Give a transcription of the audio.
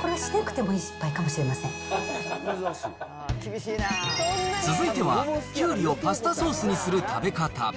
これはしなくてもいい失敗かもし続いては、きゅうりをパスタソースにする食べ方。